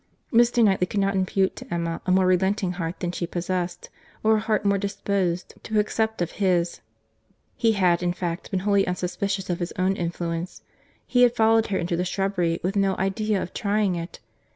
—Mr. Knightley could not impute to Emma a more relenting heart than she possessed, or a heart more disposed to accept of his. He had, in fact, been wholly unsuspicious of his own influence. He had followed her into the shrubbery with no idea of trying it.